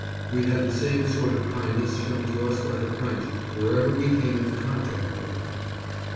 We had the same sort of kindness shown to us by the French wherever we came into contact with them.